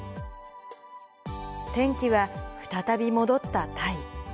転機は、再び戻ったタイ。